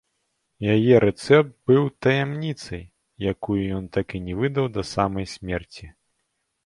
Яе рэцэпт быў таямніцай, якую ён так і не выдаў да самай смерці.